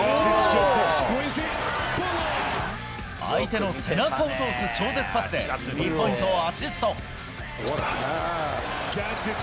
相手の背中を通す超絶パスで、スリーポイントをアシスト。